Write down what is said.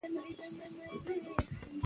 آیا ستاسو موبایلونه پښتو ژبه لري؟